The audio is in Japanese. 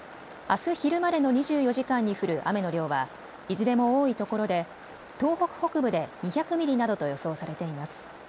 あす昼までの２４時間に降る雨の量はいずれも多いところで東北北部で２００ミリなどと予想されています。